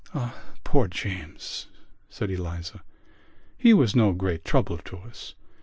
"Ah, poor James!" said Eliza. "He was no great trouble to us.